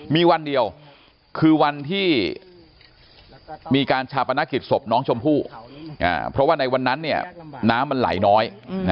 มีวันเดียวคือวันที่มีการชาปนกิจศพน้องชมพู่เพราะว่าในวันนั้นน้ำมันไหลน้อย